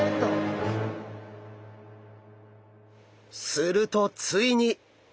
するとついに！